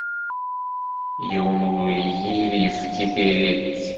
Yiwen ur iyid-yefki tiririt.